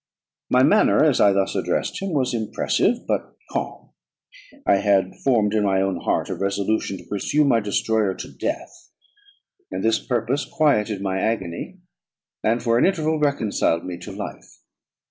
My manner, as I thus addressed him, was impressive, but calm; I had formed in my own heart a resolution to pursue my destroyer to death; and this purpose quieted my agony, and for an interval reconciled me to life.